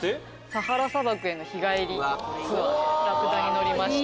サハラ砂漠への日帰りツアーでラクダに乗りました。